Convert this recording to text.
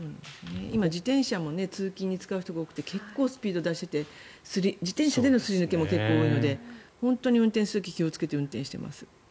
今、自転車も通勤に使う人が多くて結構スピードを出していて自転車でのすり抜けも結構多いので、本当に運転する時気をつけて運転しています。